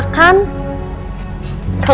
kalau cucu berhenti cucu gak makan